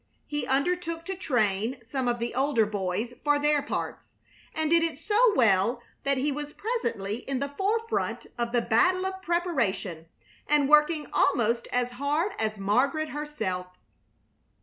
He undertook to train some of the older boys for their parts, and did it so well that he was presently in the forefront of the battle of preparation and working almost as hard as Margaret herself.